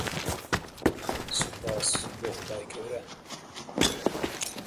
Many scientists have responded to Hoagland's claims and assertions.